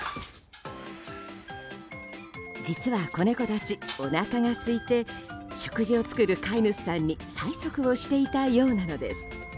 実は子猫たちおなかがすいて食事を作る飼い主さんに催促をしていたようなのです。